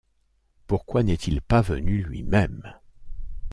Pourquoi n'est-il pas venu lui-même ?